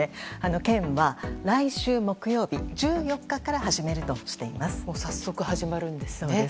県は来週木曜日早速始まるんですね。